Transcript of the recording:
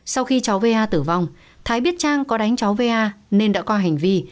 sau khi cháu va tử vong thái biết trang có đánh cháu va nên đã coi hành vi